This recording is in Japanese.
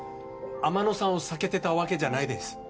天野さんを避けてたわけじゃないです